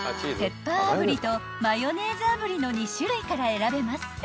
［ペッパー炙りとマヨネーズ炙りの２種類から選べます］